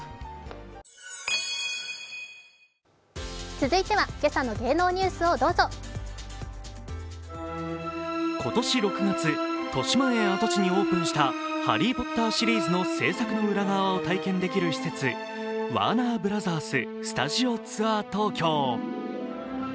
続いては今朝の芸能ニュースをどうぞ今年６月、としまえん跡地にオープンした「ハリー・ポッター」シリーズの制作の裏側を体験できる施設、ワーナーブラザーススタジオツアー東京。